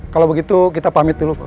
kalau begitu kita pamit dulu pak